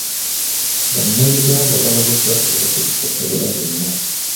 Bannayuganda balabuddwa obutakozesa ddagala lyonna.